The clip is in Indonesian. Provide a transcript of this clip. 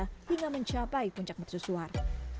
satu anak tangga hingga mencapai puncak mertesuar